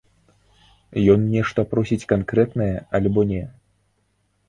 Ён нешта просіць канкрэтнае, альбо не?